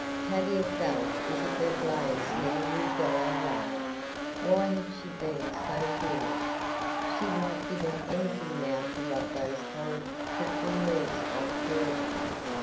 Tavia felt as if her blaze never would die away. Why had she been so foolish? She would have given anything now to rub those horrid, prickly leaves off forever.